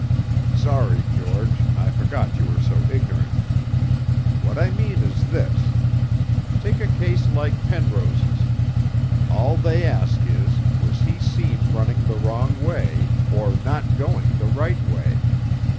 'Sorry, George, I forgot you were so ignorant. What I mean is this. Take a case like Penrose's: All they ask is, was he seen running the wrong way, or not going the right way?